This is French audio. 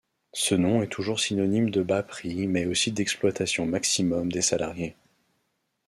Ce nom est toujours synonyme de bas prix mais aussi d'exploitation maximum des salariés.